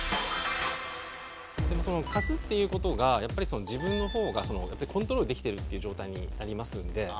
でもその貸すっていう事がやっぱり自分の方がコントロールできているっていう状態になりますんで。